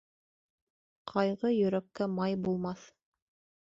Ҡайғы йөрәккә май булмаҫ.